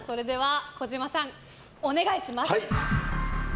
児嶋さん、お願いします。